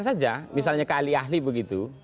saja misalnya ke ahli ahli begitu